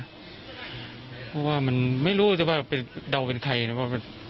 เพราะว่ามันไม่รู้ใจว่าเสียบาทเพราะว่าเราเป็นใครนะ